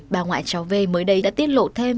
bà ngoại cháu v mới đây đã tiết lộ thêm